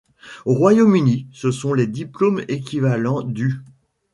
Au Royaume-Uni, ce sont les diplômes équivalents du '.